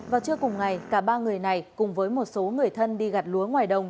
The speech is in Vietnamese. vào trưa cùng ngày cả ba người này cùng với một số người thân đi gặt lúa ngoài đồng